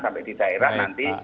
sampai di daerah nanti